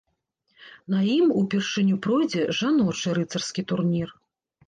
На ім упершыню пройдзе жаночы рыцарскі турнір.